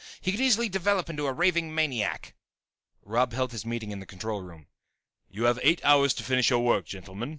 He could easily develop into a raving maniac." Robb held his meeting in the control room. "You have eight hours to finish your work, gentlemen.